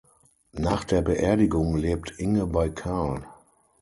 Nach der Beerdigung lebt Inge bei Karl.